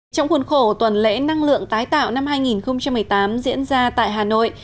trong khuôn khổ tuần lễ năng lượng tái tạo năm hai nghìn một mươi tám diễn ra tại hà nội